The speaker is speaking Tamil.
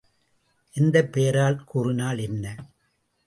எந்தப் பெயரால் கூறினால் என்ன?